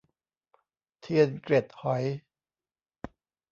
เทียนเกล็ดหอย